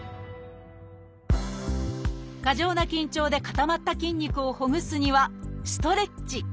過剰な緊張で固まった筋肉をほぐすにはストレッチ。